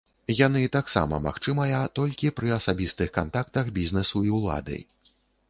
Яны таксама магчымая толькі пры асабістых кантактах бізнэсу і ўлады.